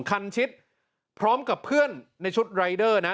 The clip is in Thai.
คันชิดพร้อมกับเพื่อนในชุดรายเดอร์นะ